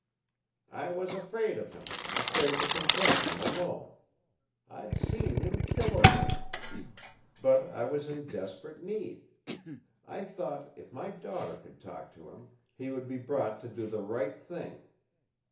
"I was afraid of him, afraid to confront him alone. I'd seen him kill a man. But I was in desperate need. I thought, if my daughter could talk to him, he would be brought to do the right thing.